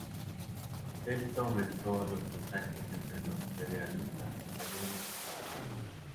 Esto aumentó los contactos entre los federalistas españoles y portugueses.